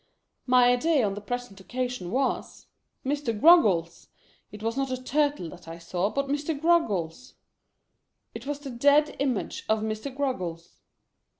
My idea on the present occasion was, Mr. Groggles ! It was not a Turtle that I saw, but Mr. Groggles. It was the dead image of Mr. Groggles.